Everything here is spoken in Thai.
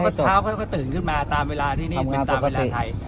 วงเล็บสุดท้ายเขาตื่นขึ้นมาเป็นตามเวลาไทย